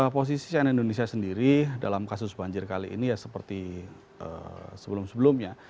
posisi cnn indonesia sendiri dalam kasus banjir kali ini ya seperti sebelum sebelumnya